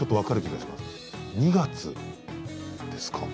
「二月」ですか？